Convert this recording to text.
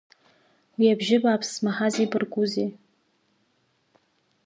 Уи абжьы бааԥсы змаҳаз ибаргузеи?